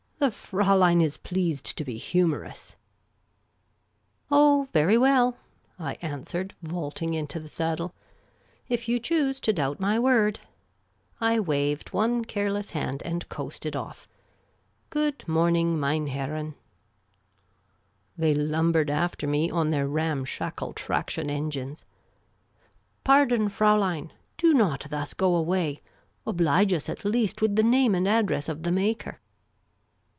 " TheFraulein is pleased to be humorous !"" Oh, very well," I answered, vaulting into the saddle ;" if you choose to doubt my word " I waved one care less hand and coasted off. " Good morning, meine Herren." They lumbered after me on their ramshackle traction engines. " Pardon, Fraulein ! Do not thus go away ! Oblige us at least with the name and address of the maker."